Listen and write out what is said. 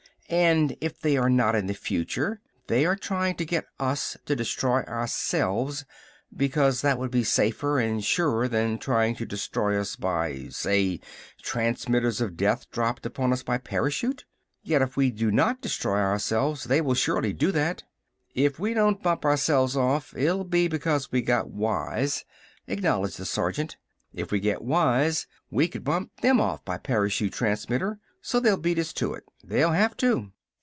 "And if they are not in the future, they are trying to get us to destroy ourselves because that would be safer and surer than trying to destroy us by say transmitters of death dropped upon us by parachute. Yet if we do not destroy ourselves, they will surely do that." "If we don't bump ourselves off, it'll be because we got wise," acknowledged the sergeant. "If we get wise, we could bump them off by parachute transmitter. So they'll beat us to it. They'll have to!"